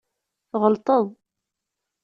Tɣelṭeḍ.